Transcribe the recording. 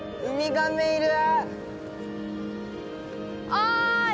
おい！